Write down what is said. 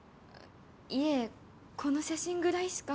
いえこの写真ぐらいしか。